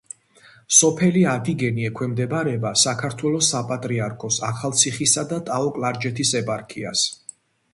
სოფელი ადიგენი ექვემდებარება საქართველოს საპატრიარქოს ახალციხისა და ტაო-კლარჯეთის ეპარქიას.